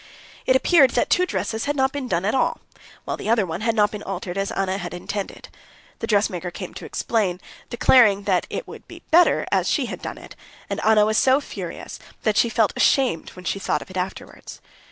It appeared that two dresses had not been done at all, while the other one had not been altered as Anna had intended. The dressmaker came to explain, declaring that it would be better as she had done it, and Anna was so furious that she felt ashamed when she thought of it afterwards.